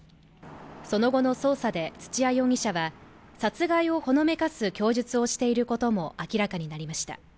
その後の捜査で、土屋容疑者は殺害をほのめかす供述をしていることも明らかになりました。